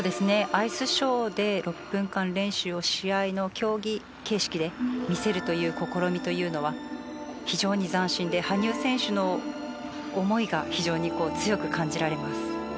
アイスショーで６分間練習を試合の競技形式で見せるという試みというのは非常に斬新で羽生選手の思いが非常に強く感じられます。